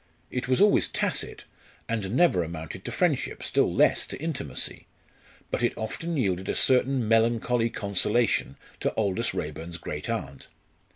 It was always tacit, and never amounted to friendship, still less to intimacy. But it often yielded a certain melancholy consolation to Aldous Raeburn's great aunt.